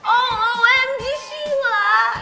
oh omg sih wak